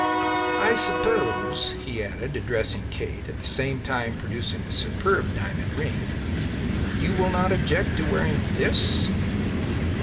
I suppose," he added, addressing Kate, at the same time producing a superb diamond ring, "you will not object to wearing this?"